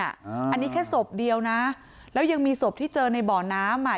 อันนี้แค่ศพเดียวนะแล้วยังมีศพที่เจอในบ่อน้ำอ่ะ